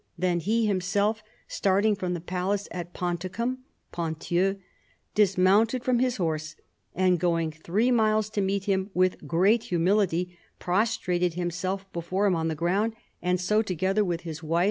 Then he himself, starting from his palace at Ponticum [Ponthieu], dis mounted from his horse, and going three miles to meet him, with great humility prostrated himself before him on the ground, and so, together with his wife.